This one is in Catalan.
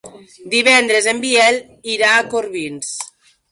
Divendres en Biel irà a Corbins.